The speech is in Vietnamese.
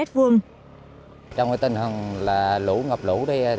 trong tình hình lũ ngập lũ